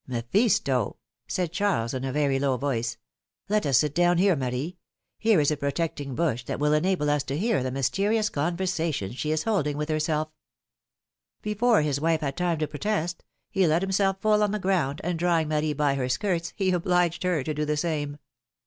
Mephisto ! said Charles, in a very low voice. "Let us sit down here, Marie; here is a protecting bush, that will enable us to hear the mysterious conversation she is holding with herself" Before his wife had had time to protest, he let himself fall on the ground, and, drawing Marie by her skirts, he obliged her to do the same.